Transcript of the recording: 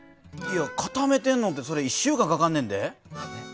固めてんのってそれ１週間かかんねんで。